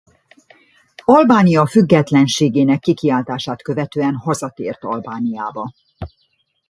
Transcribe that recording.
Albánia függetlenségének kikiáltását követően hazatért Albániába.